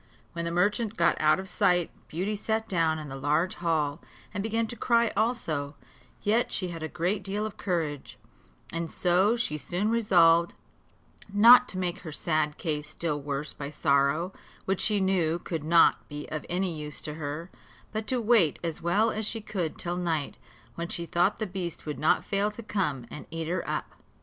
When the merchant got out of sight, Beauty sat down in the large hall, and began to cry also; yet she had a great deal of courage, and so she soon resolved not to make her sad case still worse by sorrow, which she knew could not be of any use to her, but to wait as well as she could till night, when she thought the beast would not fail to come and eat her up.